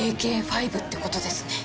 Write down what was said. ＪＫ５ってことですね。